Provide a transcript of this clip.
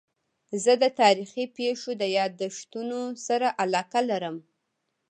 زه د تاریخي پېښو د یادښتونو سره علاقه لرم.